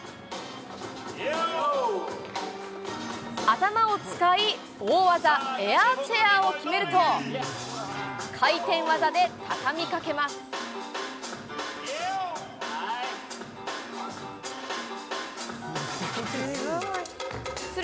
頭を使い、大技、エアーチェアーを決めると、回転技で畳みかけます。